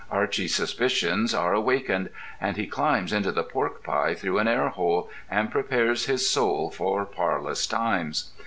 Archy's suspicions are awakened, and he climbs into the pork pie through an air hole, and prepares his soul for parlous times.